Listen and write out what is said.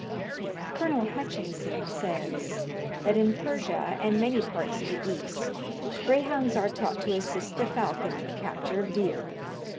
Col. Hutchinson says, that "In Persia and many parts of the East greyhounds are taught to assist the falcon in the capture of deer.